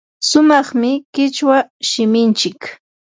sumaqmi qichwa shiminchik.